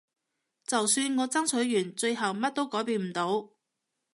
就算我爭取完最後乜都改變唔到